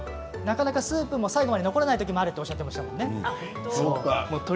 スープが最後まで残らないこともあるとおっしゃっていましたものね。